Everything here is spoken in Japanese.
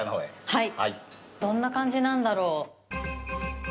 はい。